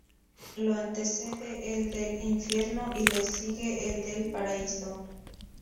Lo antecede el del "Infierno" y le sigue el del "Paraíso".